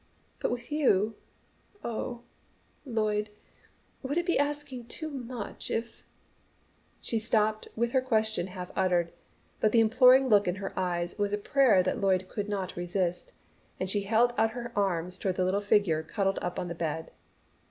But with you Oh, Lloyd, would it be asking too much if " She stopped with her question half uttered, but the imploring look in her eyes was a prayer that Lloyd could not resist, and she held out her arms toward the little figure cuddled up on the bed.